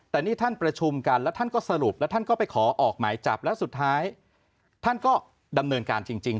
แต่นี่ท่านประชุมกันแล้วท่านก็สรุปแล้วท่านก็ไปขอออกหมายจับแล้วสุดท้ายท่านก็ดำเนินการจริง